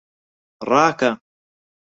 ڕاکە!